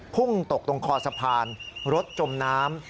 พุ่งตกตรงคอสะพานรถจมน้ำ